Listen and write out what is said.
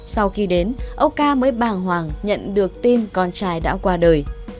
sau khi đến ông ca mới bàng hoàng nhận được tin con trai đã qua đời